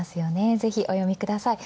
ぜひ、お読みください。